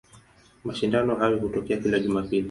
Mashindano hayo hutokea kila Jumapili.